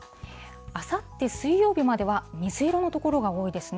あさって水曜日までは水色の所が多いですね。